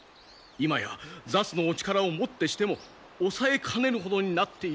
今や座主のお力をもってしても抑えかねるほどになっていると。